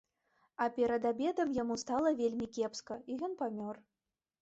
А перад абедам яму стала вельмі кепска, і ён памёр.